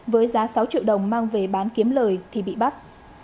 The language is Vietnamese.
với giá sáu triệu đồng mang về bán kiếm lời thì bị bắt